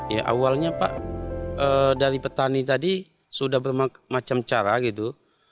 ya awalnya pak dari petani tadi sudah bermacam cara gitu